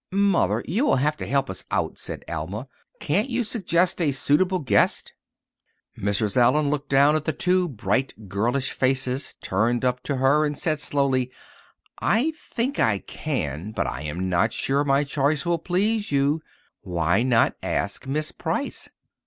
"Mother, you will have to help us out," said Alma. "Can't you suggest a substitute guest?" Mrs. Allen looked down at the two bright, girlish faces turned up to her and said slowly, "I think I can, but I am not sure my choice will please you. Why not ask Miss Price?"